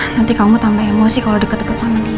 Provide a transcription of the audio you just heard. nanti kamu tambah emosi kalau deket deket sama dia